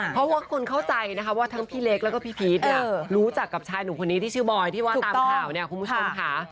เพราะว่าคนเข้าใจนะคะว่าทั้งพี่เล็กแล้วก็พี่พีชเนี่ยรู้จักกับชายหนุ่มคนนี้ที่ชื่อบอยที่ว่าตามข่าวเนี่ยคุณผู้ชมค่ะ